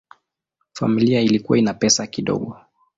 Familia ilikuwa ina pesa kidogo.